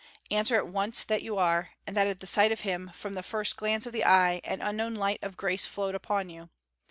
Answer at once that you are and that at the sight of him, from the first glance of the eye an unknown light of grace flowed upon you.